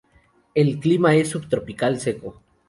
El clima es subtropical seco.